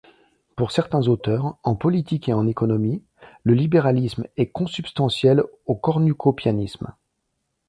Pour certains auteurs, en politique et en économie, le libéralisme est consubstantiel au cornucopianisme.